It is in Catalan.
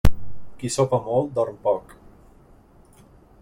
Qui sopa molt, dorm poc.